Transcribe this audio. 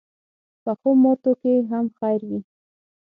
پخو ماتو کې هم خیر وي